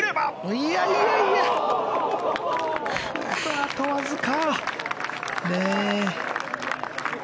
あとわずか。